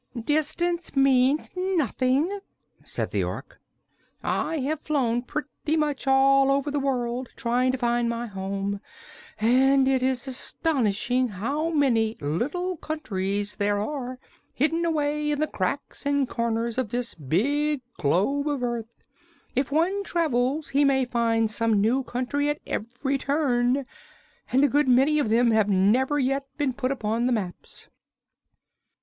"Distance means nothing," said the Ork. "I have flown pretty much all over the world, trying to find my home, and it is astonishing how many little countries there are, hidden away in the cracks and corners of this big globe of Earth. If one travels, he may find some new country at every turn, and a good many of them have never yet been put upon the maps."